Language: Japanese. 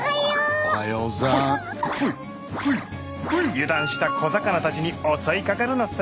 油断した小魚たちに襲いかかるのさ。